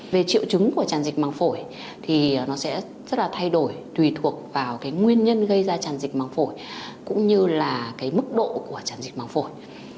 về triệu chứng của tràn dịch măng phổi thì nó sẽ rất là thay đổi tùy thuộc vào nguyên nhân gây ra tràn dịch măng phổi cũng như là mức độ của tràn dịch măng phổi